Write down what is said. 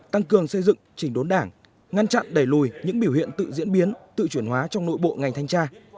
tăng cường xây dựng chỉnh đốn đảng ngăn chặn đẩy lùi những biểu hiện tự diễn biến tự chuyển hóa trong nội bộ ngành thanh tra